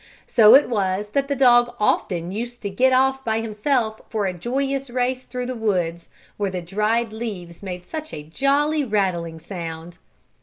So it was that the dog often used to get off by himself for a joyous race through the woods, where the dried leaves made such a jolly, rattling sound.